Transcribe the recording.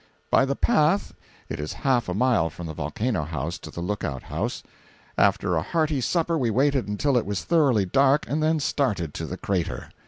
By the path it is half a mile from the Volcano House to the lookout house. After a hearty supper we waited until it was thoroughly dark and then started to the crater.